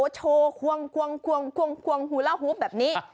โชว์หวังหวังหูล่าฮูบแบบนี้